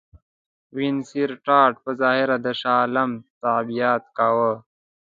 وینسیټارټ په ظاهره د شاه عالم تابعیت کاوه.